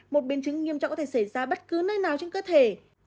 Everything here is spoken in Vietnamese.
một biến chứng nghiêm trọng có thể xảy ra bất cứ nơi nào trên cơ thể